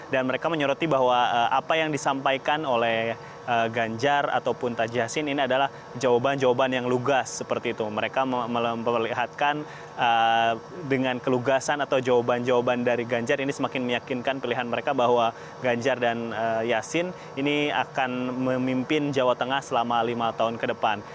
dan mereka menyorati bahwa apa yang disampaikan oleh ganjar ataupun taji yasin ini adalah jawaban jawaban yang lugas seperti itu mereka melihatkan dengan kelugasan atau jawaban jawaban dari ganjar ini semakin meyakinkan pilihan mereka bahwa ganjar dan yasin ini akan memimpin jawa tengah selama lima tahun ke depan